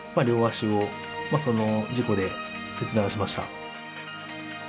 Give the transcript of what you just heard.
両足を、その事故で切断しました。